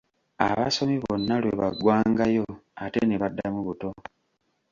Abasomi bonna lwe baggwangayo ate ne baddamu buto.